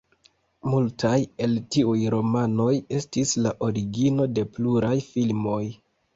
Multaj el tiuj romanoj estis la origino de pluraj filmoj.